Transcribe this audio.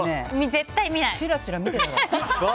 絶対見ない！